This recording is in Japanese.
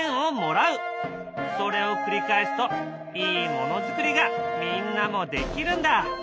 それを繰り返すといいものづくりがみんなもできるんだ。